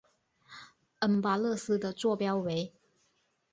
恩巴勒斯的座标为。